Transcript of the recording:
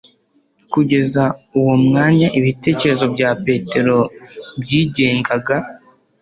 Kugeza uwo mwanya ibitekerezo bya Petero byigenganga